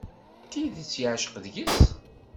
D tidet yeεceq deg-s.